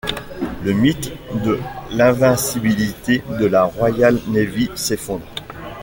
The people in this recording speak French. Le mythe de l'invincibilité de la Royal Navy s'effondre.